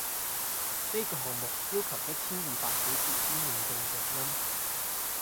呢個項目要求一千二百小時經驗証嘅錄音